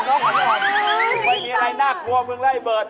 ไม่มีอะไรนากลัวมึงหรือไอ่เบิร์ท